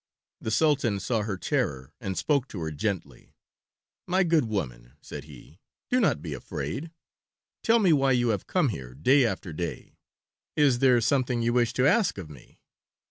The Sultan saw her terror and spoke to her gently. "My good woman," said he, "do not be afraid. Tell me why you have come here day after day. Is there something you wish to ask of me?"